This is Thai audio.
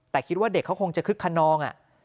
แต่คิดว่าเด็กเขาคงจะคึกขนอง